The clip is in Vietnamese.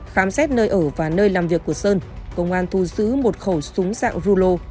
khám xét nơi ở và nơi làm việc của sơn công an thu giữ một khẩu súng dạng rulo